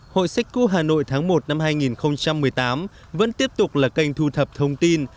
hội sách cũ hà nội tháng một năm hai nghìn một mươi tám vẫn tiếp tục là kênh thu thập thông tin